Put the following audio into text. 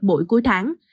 mỗi cuối tháng